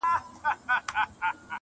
• سر پر سر خوراک یې عقل ته تاوان دئ -